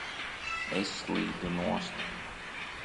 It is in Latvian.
Es slīdu nost!